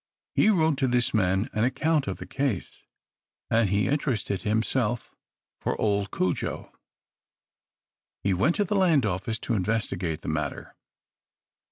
He wrote to this man an account of the case; and he interested himself for old Cudjo. He went to the land office to investigate the matter.